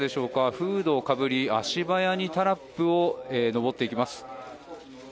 フードをかぶり、足早にタラップを上っていきます。